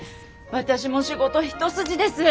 私も仕事一筋です！